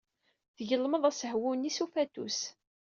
Teglem-d asehwu-nni s ufatus.